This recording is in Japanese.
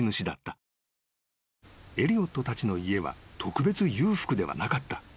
［エリオットたちの家は特別裕福ではなかった］